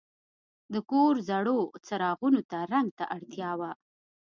د کور زړو څراغونو ته رنګ ته اړتیا وه.